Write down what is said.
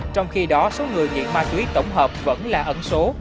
trong khi đó số người nghiện ma túy tổng hợp vẫn là ẩn số